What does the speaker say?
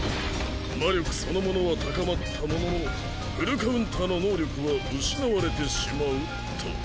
魔力そのものは高まったものの「全反撃」の能力は失われてしまうと。